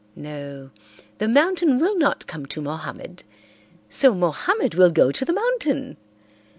No, the mountain will not come to Mohammed, so Mohammed will go to the mountain.